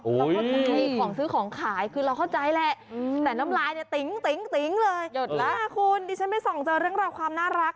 ให้ของซื้อของขายคุณไม่ปล่อย